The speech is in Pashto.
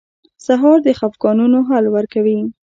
سهار د خفګانونو حل ورکوي.